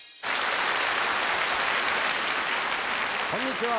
こんにちは。